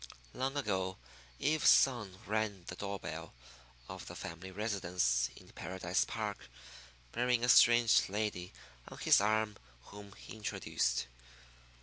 Long ago Eve's son rang the door bell of the family residence in Paradise Park, bearing a strange lady on his arm, whom he introduced.